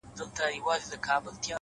د خبرونو وياند يې;